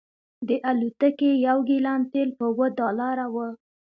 د الوتکې یو ګیلن تیل په اوه ډالره و